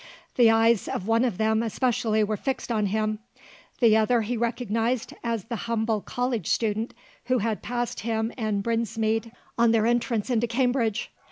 The eyes of one of them especially were fixed on him. The other he recognised as the humble college student who had passed him and Brinsmead on their entrance into Cambridge.